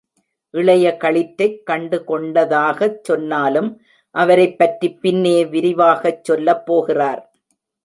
இளைய களிற்றைக் கண்டுகொண்டதாகச் சொன்னாலும் அவரைப் பற்றிப் பின்னே விரிவாகச் சொல்லப் போகிறார்.